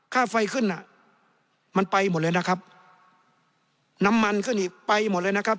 ค่าไฟขึ้นน่ะมันไปหมดเลยนะครับน้ำมันขึ้นอีกไปหมดเลยนะครับ